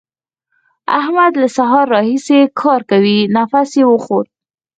احمد له سهار راهسې کار کوي؛ نفس يې وخوت.